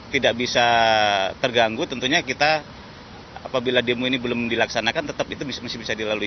tidak bisa terganggu tentunya kita apabila demo ini belum dilaksanakan tetap itu masih bisa dilalui